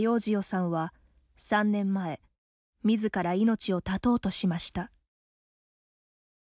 さんは３年前、みずから命を絶とうとしました。